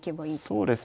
そうですね。